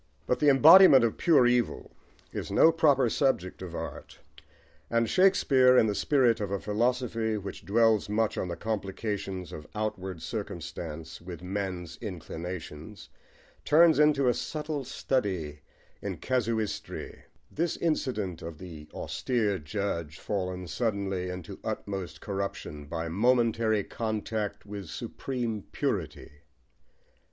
But the embodiment of pure evil is no proper subject of art, and Shakespeare, in the spirit of a philosophy which dwells much on the complications of outward circumstance with men's inclinations, turns into a subtle study in casuistry this incident of the austere judge fallen suddenly into utmost corruption by a momentary contact with supreme purity.